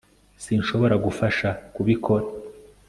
sinshobora gufasha kubikora